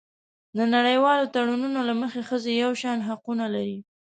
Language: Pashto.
د نړیوالو تړونونو له مخې ښځې یو شان حقونه لري.